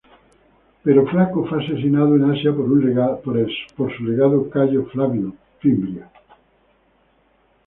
Pero Flaco fue asesinado en Asia por su legado Cayo Flavio Fimbria.